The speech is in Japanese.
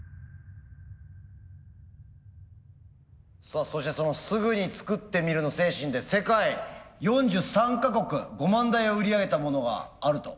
さあそしてそのすぐに作ってみるの精神で世界４３か国５万台を売り上げたモノがあると。